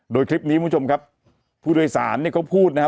โดยคลิปนี้คุณผู้ชมครับผู้โดยสารเนี่ยเขาพูดนะฮะ